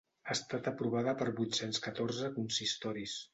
Ha estat aprovada per vuit-cents catorze consistoris.